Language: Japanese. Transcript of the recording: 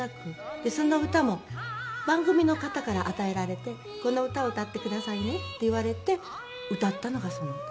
でその歌も番組の方から与えられて「この歌を歌ってくださいね」って言われて歌ったのがその歌。